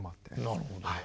なるほどね。